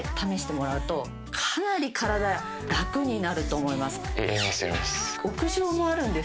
かなり体楽になると思います。